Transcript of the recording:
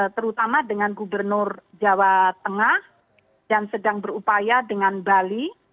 terutama dengan gubernur jawa tengah dan sedang berupaya dengan bali